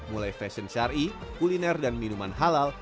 mulai fashion syari kuliner dan minuman halal